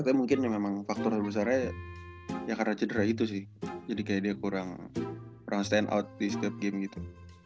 rata rata mungkin ya memang faktor yang lebih besar ya karena cedera itu sih jadi kayak dia kurang stand out di setiap game gitu